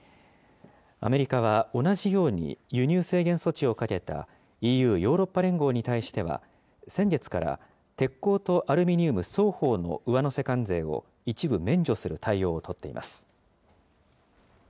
アメリカは、同じように、輸入制限措置をかけたＥＵ・ヨーロッパ連合に対しては、先月から鉄鋼とアルミニウム双方の上乗せ関税を一部免除する対応を取っています。